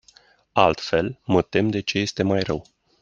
Altfel, mă tem de ce este mai rău.